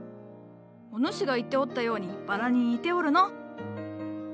お主が言っておったようにバラに似ておるのう。